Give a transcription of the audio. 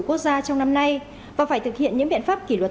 quốc gia trong năm nay và phải thực hiện những biện pháp kỷ luật